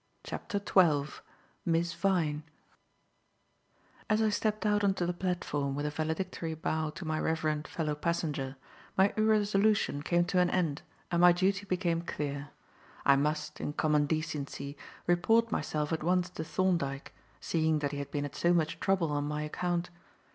CHAPTER XII MISS VYNE As I stepped out on to the platform with a valedictory bow to my reverend fellow passenger, my irresolution came to an end and my duty became clear. I must, in common decency, report myself at once to Thorndyke, seeing that he had been at so much trouble on my account.